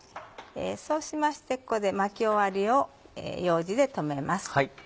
そうしましてここで巻き終わりを楊枝で止めます。